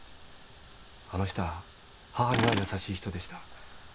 あの人は母には優しい人でした。